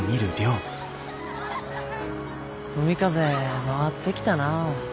海風回ってきたなあ。